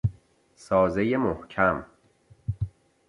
سازهی محکم